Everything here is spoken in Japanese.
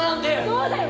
「そうだよ